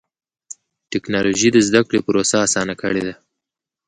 ټکنالوجي د زدهکړې پروسه اسانه کړې ده.